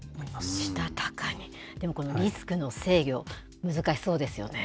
したたかに、でもこのリスクの制御、難しそうですよね。